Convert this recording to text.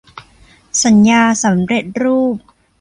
สัญญาสำเร็จรูป